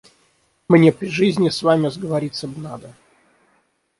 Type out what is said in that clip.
Мне при жизни с вами сговориться б надо.